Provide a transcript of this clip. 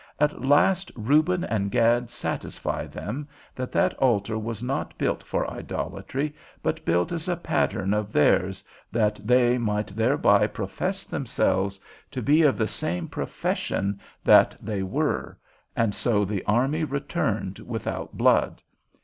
At last Reuben and Gad satisfy them, that that altar was not built for idolatry, but built as a pattern of theirs, that they might thereby profess themselves to be of the same profession that they were, and so the army returned without blood.